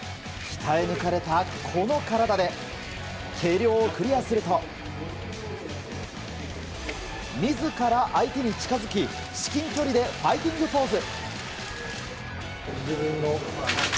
鍛え抜かれた、この体で計量をクリアすると自ら相手に近づき至近距離でファイティングポーズ。